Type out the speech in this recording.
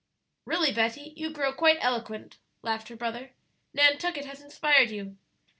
"Really, Betty, you grow quite eloquent," laughed her brother; "Nantucket has inspired you."